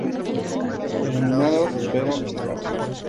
Eliminados: Vero y Gaba.